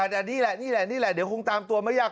ใช่แต่อันนี้แหละเดี๋ยวคงตามตัวไม่ยาก